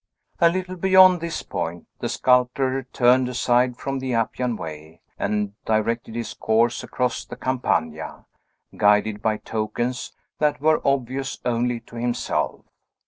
A little beyond this point, the sculptor turned aside from the Appian Way, and directed his course across the Campagna, guided by tokens that were obvious only to himself.